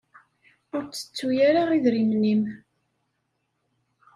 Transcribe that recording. Ur ttettu ara idrimen-im.